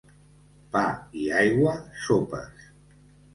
Pa i aigua, sopes.